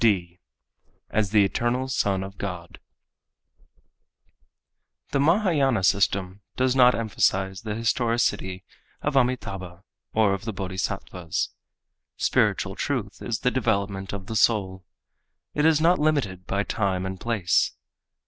(d) As the Eternal Son, of God.—The Mahayâna system does not emphasize the historicity of Amitabha or of the Bodhisattvas. Spiritual truth is the development of the soul. It is not limited by time and place.